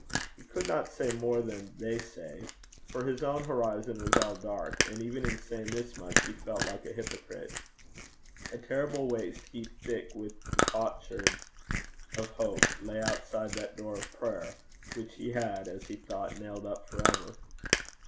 He could not say more than 'They say,' for his own horizon was all dark, and even in saying this much he felt like a hypocrite. A terrible waste, heaped thick with the potsherds of hope, lay outside that door of prayer which he had, as he thought, nailed up for ever.